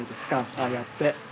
ああやって。